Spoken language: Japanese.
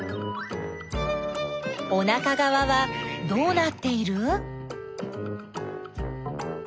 おなかがわはどうなっている？